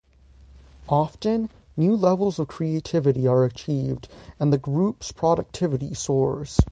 Often, new levels of creativity are achieved, and the group's productivity soars.